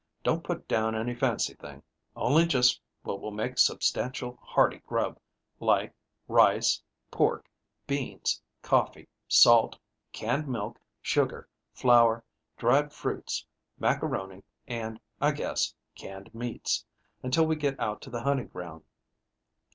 Don't put down any fancy thing only just what will make substantial hearty grub, like rice, pork, beans, coffee, salt, canned milk, sugar, flour, dried fruits, macaroni, and, I guess, canned meats, until we get out to the hunting ground.